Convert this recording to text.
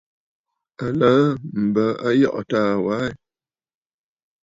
À laà m̀bə Ayɔꞌɔ̀ taa wa aa ɛ?